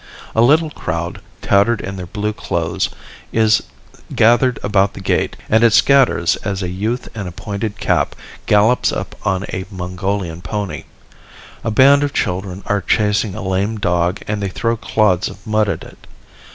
A little crowd, tattered in their blue clothes, is gathered about the gate and it scatters as a youth in a pointed cap gallops up on a Mongolian pony. A band of children are chasing a lame dog and they throw clods of mud at it.